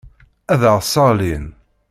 Ad aɣ-sseɣlin.